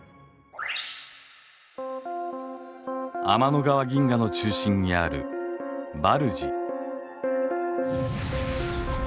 天の川銀河の中心にあるバルジ。